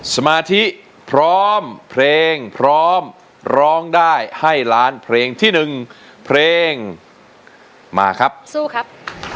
สมาธิพร้อมเพลงพร้อมร้องได้ให้ล้านเพลงที่หนึ่งเพลงมาครับสู้ครับ